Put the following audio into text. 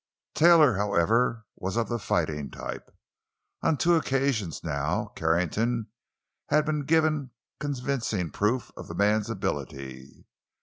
Taylor, however, was of the fighting type. On two occasions, now, Carrington had been given convincing proof of the man's ability.